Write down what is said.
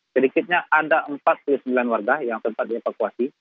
sedikitnya ada empat puluh sembilan warga yang sempat dievakuasi